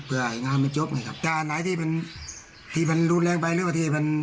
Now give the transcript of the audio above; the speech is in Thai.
เผื่อให้งานมันจบไงครับแต่อาหารหลายที่มันที่มันรุนแรงไปแล้วว่าที่มัน